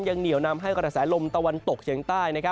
เหนียวนำให้กระแสลมตะวันตกเฉียงใต้